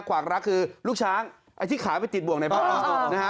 ขวากรักคือลูกช้างไอ้ที่ขายไปติดบ่วงในบ้านนะฮะ